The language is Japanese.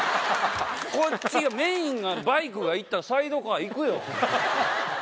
こっちメインがバイクがいったらサイドカーいくよ。